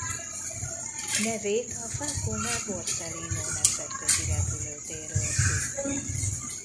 Nevét a Falcone-Borsellino nemzetközi repülőtér őrzi.